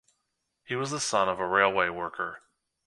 He was the son of a railway worker.